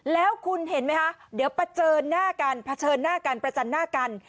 แล้วคุณเห็นไหมคะเดี๋ยวเผชิญหน้ากันเผชิญหน้ากันประจันหน้ากัน